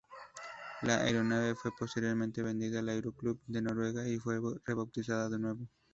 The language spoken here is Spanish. La aeronave fue posteriormente vendida al Aeroclub de Noruega y fue rebautizada de nuevo.